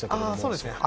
そうですね